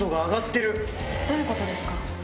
どういうことですか？